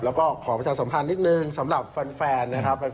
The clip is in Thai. แล้วก็ขอบัญชาสำคัญนิดหนึ่งสำหรับแฟน